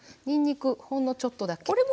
にんにくほんのちょっとだけ。